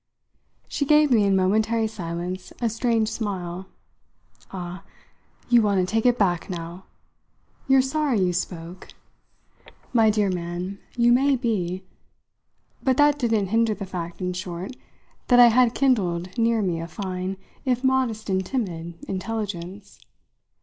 She gave me, in momentary silence, a strange smile. "Ah, you want to take it back now? You're sorry you spoke. My dear man, you may be " but that didn't hinder the fact, in short, that I had kindled near me a fine, if modest and timid, intelligence.